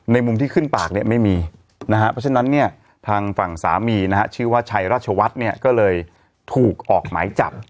มุมที่ขึ้นปากเนี่ยไม่มีนะฮะเพราะฉะนั้นเนี่ยทางฝั่งสามีนะฮะชื่อว่าชัยราชวัฒน์เนี่ยก็เลยถูกออกหมายจับ